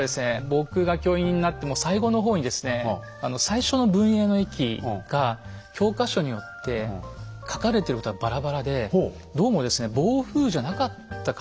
僕が教員になってもう最後の方にですね最初の文永の役が教科書によって書かれてることがバラバラでどうもですねおやおや。